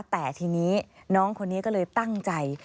แต่ทีนี้น้องคนนี้ก็เลยตั้งใจ